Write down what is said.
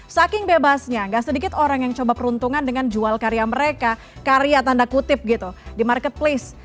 saking bebasnya gak sedikit orang yang coba peruntungan dengan jual karya mereka karya tanda kutip gitu di marketplace